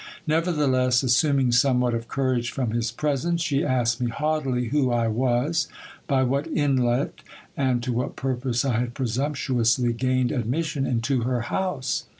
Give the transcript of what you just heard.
Nevertheless, assum ing somewhat of courage from his presence, she asked me haughtily who I was, by what inlet and to what purpose I had presumptuously gained admission into her house.